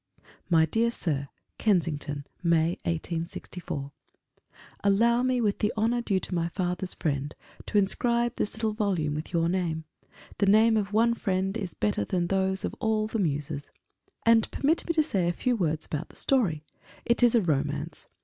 MY DEAR SIR, KENSINGTON, May, 1864. Allow me, with the honour due to my father's friend, to inscribe this little volume with your name. The name of one friend is better than those of all the Muses. And permit me to say a few words about the story. It is a Romance.